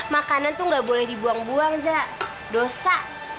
makanan tuh gak boleh dibuang buang za dosa